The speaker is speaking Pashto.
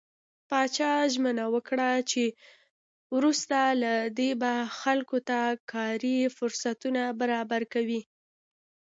پاچا ژمنه وکړه چې وروسته له دې به خلکو ته کاري فرصتونه برابر کوم .